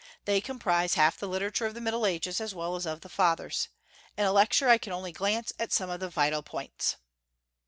They comprise half the literature of the Middle Ages as well as of the Fathers. In a lecture I can only glance at some of the vital points.